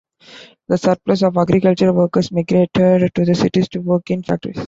The surplus of agricultural workers migrated to the cities to work in factories.